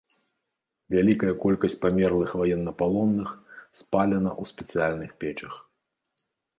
Вялікая колькасць памерлых ваеннапалонных спалена ў спецыяльных печах.